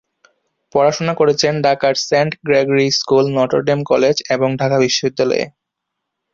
পড়াশোনা করেছেন ঢাকার Saint Gregory school, Notre Dame college এবং ঢাকা বিশ্ববিদ্যালয়ে।